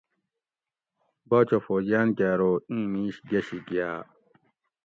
باچہ فوجیان کہۤ ارو ایں میش گشی گاۤ